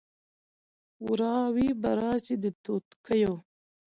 وراوي به راسي د توتکیو